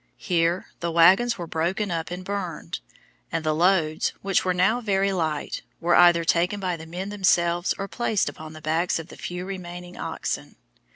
Here the wagons were broken up and burned, and the loads, which were now very light, were either taken by the men themselves or placed upon the backs of the few remaining oxen.